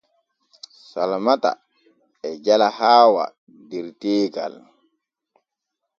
Salmata e jala Hawwq der teegal.